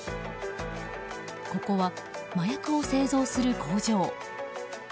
ここは麻薬を製造する工場。